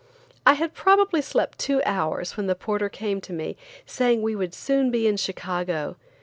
I had probably slept two hours when the porter called me, saying we would soon be in Chicago.